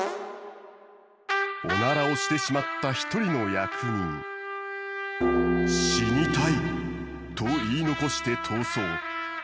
オナラをしてしまった一人の役人。と言い残して逃走。